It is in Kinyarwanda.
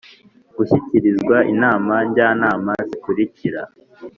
gushyikirizwa inama Njyanama zikurikira